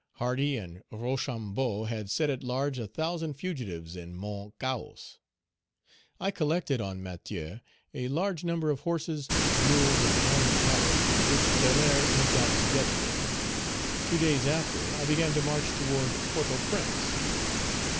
Hardy and Rochambeau had set at large a thousand fugitives in Mount Cahos. "I collected on Matheux a large number of horses, mules, and horned cattle, which Belair had got together. Two days after, I began to march toward Port au Prince.